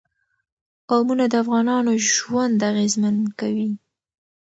قومونه د افغانانو ژوند اغېزمن کوي.